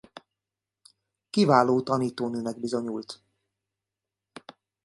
Kiváló tanítónőnek bizonyult.